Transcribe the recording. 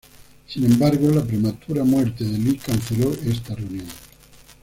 Sin embargo, la prematura muerte de Lee canceló esta reunión.